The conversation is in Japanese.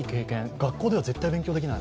学校では絶対経験できない。